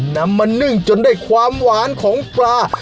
นำมานึ่งจนได้ความหวานของปลา